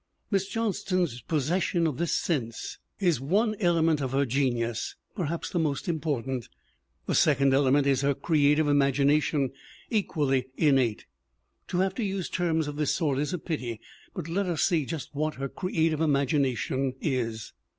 Miss Johnston's possession of this sense is one element of her genius perhaps the most important. The second element is her creative imagination, equal ly innate. To have to use terms of this sort is a pity, but let us see just what her "creative imagination" is.